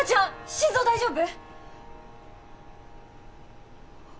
心臓大丈夫？